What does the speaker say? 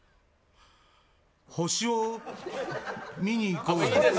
星を見にいこうよ。